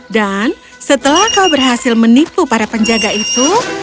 setelah kau berhasil menipu para penjaga itu